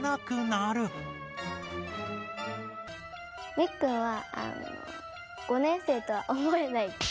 みっくんは５年生とは思えない。